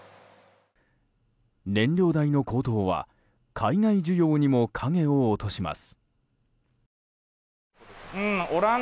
燃料代の高騰は海外需要にも影を落とします。